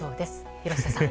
廣瀬さん。